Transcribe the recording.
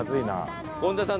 権田さん